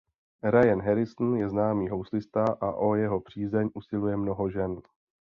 Ryan Harrison je známý houslista a o jeho přízeň usiluje mnoho žen.